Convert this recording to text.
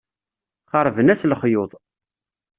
Xerben-as lexyuḍ.